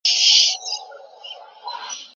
د زده کړې پر مهال له وهلو ډبولو ډډه وکړئ.